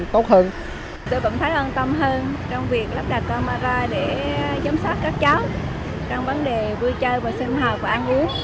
trong vấn đề vui chơi và sinh hòa